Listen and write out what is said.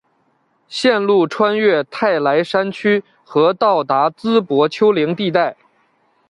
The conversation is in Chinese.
线路穿越泰莱山区和到达淄博丘陵地带。